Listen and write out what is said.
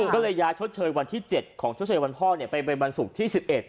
ก็เลยย้ายชดเชยวันที่๗ของชดเชยวันพ่อไปเป็นวันศุกร์ที่๑๑